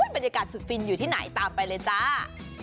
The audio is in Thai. บรรยากาศสุดฟินอยู่ที่ไหนตามไปเลยจ้า